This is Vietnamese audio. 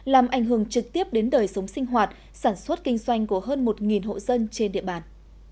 làm ảnh hưởng trực tiếp đến đời sống sinh hoạt sản xuất kinh doanh của hơn một hộ dân trên địa bàn